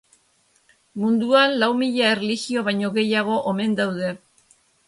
Munduan lau mila erlijio baino gehiago omen daude.